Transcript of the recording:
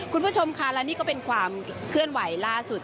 คุณผู้ชมค่ะและนี่ก็เป็นความเคลื่อนไหวล่าสุด